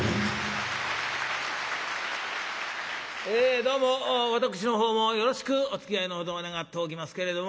どうも私の方もよろしくおつきあいのほどを願っておきますけれども。